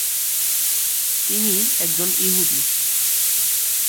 তিনি একজন ইহুদি।